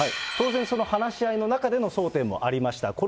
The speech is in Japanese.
当然その話し合いの中での争点もありました。